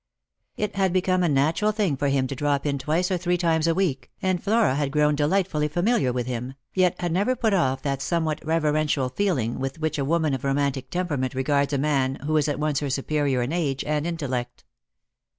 It had become a natural thing for him to drop in twice or three times a week, and Flora had grown delightfully familiar with him, yet had never put off that somewhat reverential feeling with which a woman of romantic temperament regards a man who is at once her superior in age and intellect.